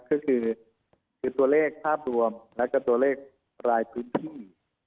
ก็คือตัวเลขภาพรวมแล้วก็ตัวเลขรายพื้นที่